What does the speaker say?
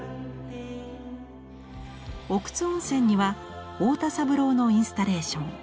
奥津温泉には太田三郎のインスタレーション